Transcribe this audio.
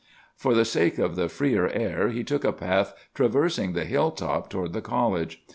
"For the sake of the freer air he took a path traversing the hilltop toward the college.